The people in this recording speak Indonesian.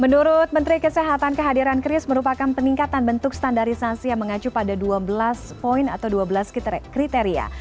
menurut menteri kesehatan kehadiran kris merupakan peningkatan bentuk standarisasi yang mengacu pada dua belas poin atau dua belas kriteria